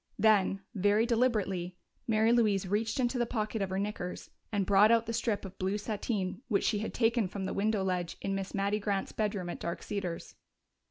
Then, very deliberately, Mary Louise reached into the pocket of her knickers and brought out the strip of blue sateen which she had taken from the window ledge in Miss Mattie Grant's bedroom at Dark Cedars.